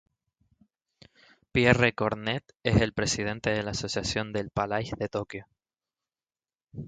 Pierre Cornette es el presidente de la Asociación del Palais de Tokyo.